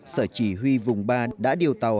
sở chỉ huy vùng ba đã điều tàu